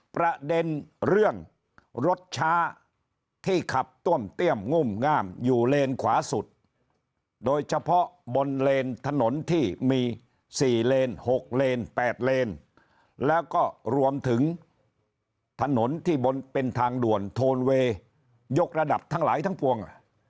ประเด็นเรื่องรถช้าที่ขับต้วมเตี้ยมงุ่มงามอยู่เลนขวาสุดโดยเฉพาะบนเลนถนนที่มี๔เลน๖เลน๘เลนแล้วก็รวมถึงถนนที่บนเป็นทางด่วนโทนเวย์ยกระดับทั้งหลายทั้งปวง